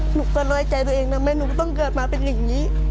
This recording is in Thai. หนูก็น้อยใจตัวเองทำไมหนูก็ต้องเกิดมาเป็นอย่างนี้